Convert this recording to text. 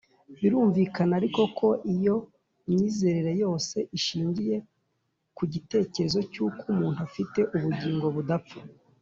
birumvikana ariko ko iyo myizerere yose ishingiye ku gitekerezo cy’uko umuntu afite ubugingo budapfa,